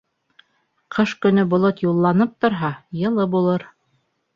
Ҡыш көнө болот юлланып торһа, йылы булыр.